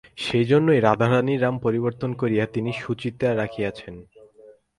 সেইজন্যই রাধারানীর নাম পরিবর্তন করিয়া তিনি সুচরিতা রাখিয়াছেন।